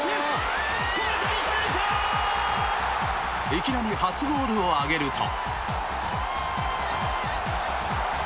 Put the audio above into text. いきなり初ゴールを挙げると。